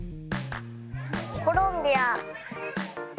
コロンビア。